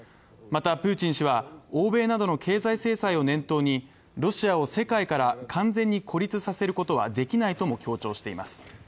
また、プーチン氏は欧米などの経済制裁を念頭に、ロシアを世界から完全に孤立させることはできないとも強調しています。